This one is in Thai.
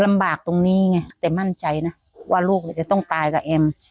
ลำบากตรงนี้ไงแต่มั่นใจนะว่าลูกจะต้องตายกับแอม